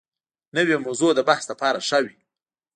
نوې موضوع د بحث لپاره ښه وي